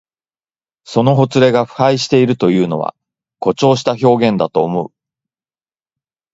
そのほつれが腐敗しているというのは、誇張した表現だと思う。